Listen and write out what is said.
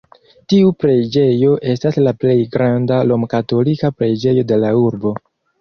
Tiu preĝejo estas la plej granda romkatolika preĝejo de la urbo.